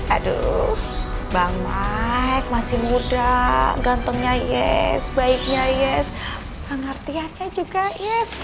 aduh bang mike masih muda gantengnya yes baiknya yes pengertiannya juga yes